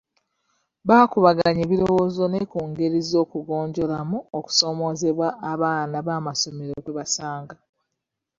Baakubaganya ebirowoozo ne ku ngeri z'okugonjoolamu okusoomoozebwa abaana b'amasomero kwe basanga.